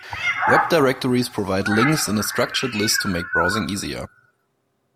Web directories provide links in a structured list to make browsing easier.